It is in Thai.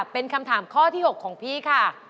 เป็นคำถามข้อที่๖ของพี่ค่ะ